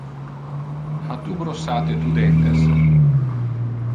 Ha tu brossate tu dentes?